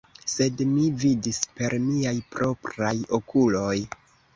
Sed mi vidis per miaj propraj okuloj!